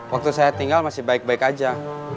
waktu saya tinggal masih baik baik aja